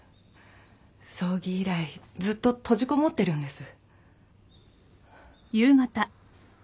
葬儀以来ずっと閉じこもってるんです。